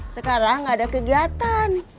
sekarang gak ada kegiatan